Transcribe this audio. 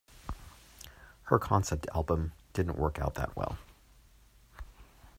Her concept album didn't work out that well.